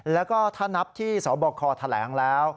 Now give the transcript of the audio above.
แล้วก็ถ้านับที่สบคแถลงแล้ว